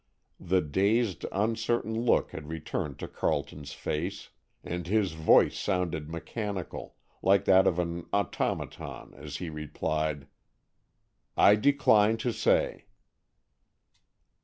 The dazed, uncertain look had returned to Carleton's face and his voice sounded mechanical, like that of an automaton, as he replied, "I decline to say."